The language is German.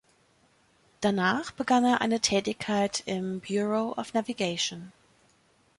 Danach begann er eine Tätigkeit im Bureau of Navigation.